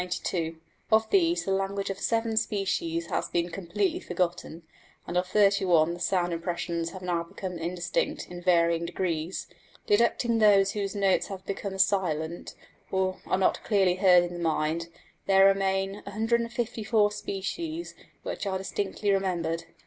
Of these the language of 7 species has been completely forgotten, and of 31 the sound impressions have now become indistinct in varying degrees. Deducting those whose notes have become silent and are not clearly heard in the mind, there remain 154 species which are distinctly remembered.